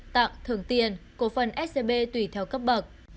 tặng thưởng tiền cố phân scb tùy theo cấp bậc